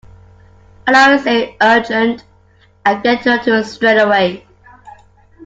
I know it's urgent; I’ll get on to it straight away